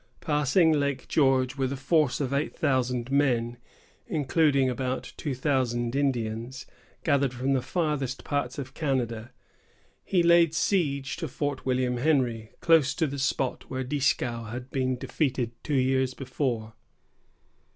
Passing Lake George with a force of eight thousand men, including about two thousand Indians, gathered from the farthest parts of Canada, he laid siege to Fort William Henry, close to the spot where Dieskau had been defeated two years before.